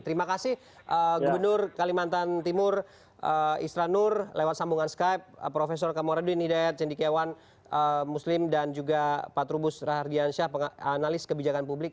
terima kasih gubernur kalimantan timur isra nur lewat sambungan skype prof kamarudin hidayat cendikiawan muslim dan juga pak trubus rahardiansyah analis kebijakan publik